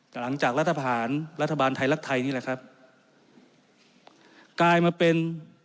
แต่หลังจากรัฐพาหารรัฐบาลไทยรักไทยนี่แหละครับกลายมาเป็น